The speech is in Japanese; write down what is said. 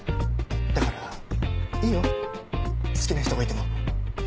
だからいいよ好きな人がいても。